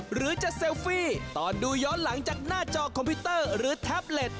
หรือจะเซลฟี่ตอนดูย้อนหลังจากหน้าจอคอมพิวเตอร์หรือแท็บเล็ต